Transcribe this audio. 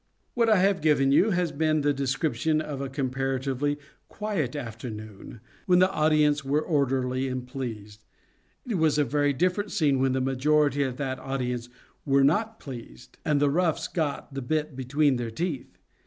What I have given you has been the description of a comparatively quiet afternoon, when the audience were orderly and pleased. It was a very different scene when the majority of that audience were not pleased and the roughs got the bit between their teeth.